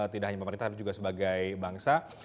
tidak hanya pemerintah tapi juga sebagai bangsa